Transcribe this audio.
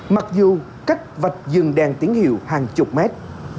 mặc dù cách vạch dừng đèn tín hiệu hàng chục mét